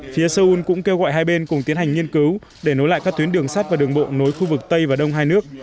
phía seoul cũng kêu gọi hai bên cùng tiến hành nghiên cứu để nối lại các tuyến đường sắt và đường bộ nối khu vực tây và đông hai nước